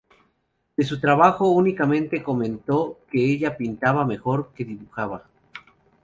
De su trabajo únicamente comentó que ella pintaba mejor que dibujaba.